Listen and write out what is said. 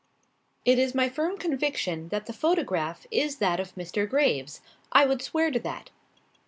"It is my firm conviction that the photograph is that of Mr. Graves. I would swear to that."